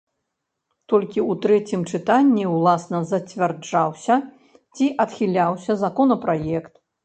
Толькі у трэцім чытанні ўласна зацвярджаўся ці адхіляўся законапраект.